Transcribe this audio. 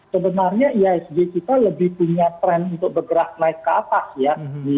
sebenarnya ihsg kita lebih punya tren untuk bergerak naik ke atas ya